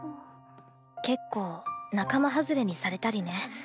結構仲間外れにされたりね。